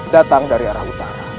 datang dari arah utara